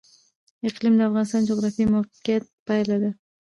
اقلیم د افغانستان د جغرافیایي موقیعت پایله ده.